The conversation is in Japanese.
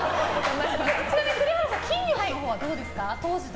ちなみに栗原さん筋肉はどうですか？